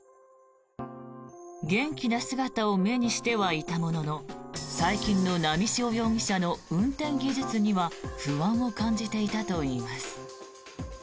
元気な姿を目にしてはいたものの最近の波汐容疑者の運転技術には不安を感じていたといいます。